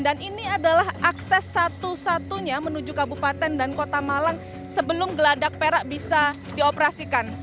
dan ini adalah akses satu satunya menuju kabupaten dan kota malang sebelum geladak perak bisa dioperasikan